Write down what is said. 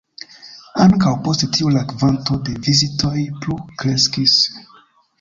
Ankaŭ post tio la kvanto de vizitoj plu kreskis.